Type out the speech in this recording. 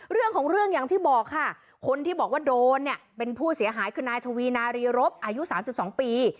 เรื่องของเรื่องอย่างที่บอกค่ะคนที่บอกว่าโดนเนี่ยเป็นผู้เสียหายคือนายทวีนารีรบอายุ๓๒ปี